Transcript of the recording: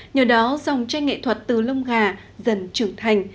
nhờ đó dòng tranh nghệ thuật từ lông gà dần trưởng thành